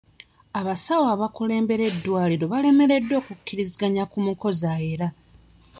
Abasawo abakulembera eddwaliro balemereddwa okukkiriziganya ku mukozi ayera.